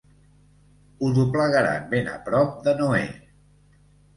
Ho doblegaran ben a prop de Noè.